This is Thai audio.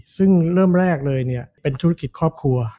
ซึ่งเริ่มแรกเลยเนี่ยเป็นธุรกิจครอบครัว